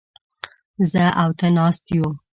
زه او ته ناست يوو.